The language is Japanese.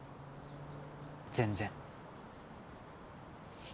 全然